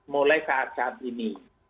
mulai saat saat ini